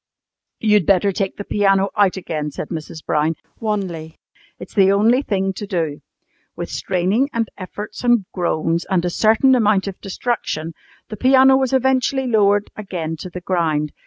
"You'd better take out the piano again," said Mrs. Brown wanly. "It's the only thing to do." With straining, and efforts, and groans, and a certain amount of destruction, the piano was eventually lowered again to the ground.